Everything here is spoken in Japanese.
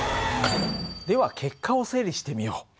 では結果を整理してみよう。